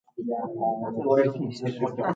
It was named for the settler Carthage Kendall.